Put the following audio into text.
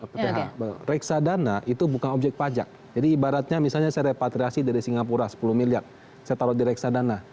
pth reksadana itu bukan objek pajak jadi ibaratnya misalnya saya repatriasi dari singapura sepuluh miliar saya taruh di reksadana